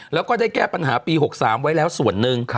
แล้วก็ได้แก้ปัญหาปี๖๓ไว้แล้วส่วนหนึ่ง